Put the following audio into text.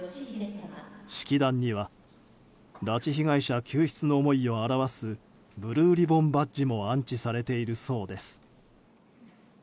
式壇には拉致被害者救出の思いを表すブルーリボンバッジも安置されているそうです。